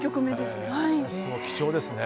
貴重ですね。